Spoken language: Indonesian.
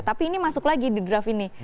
tapi ini masuk lagi di draft ini